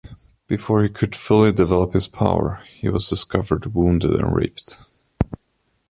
Before he could fully develop his power, he was discovered, wounded, and raped.